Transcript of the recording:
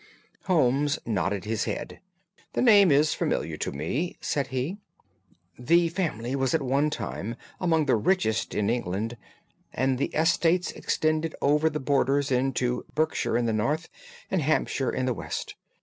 Holmes nodded his head. "The name is familiar to me," said he. "The family was at one time among the richest in England, and the estates extended over the borders into Berkshire in the north, and Hampshire in the west.